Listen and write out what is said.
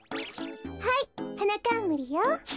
はいはなかんむりよ。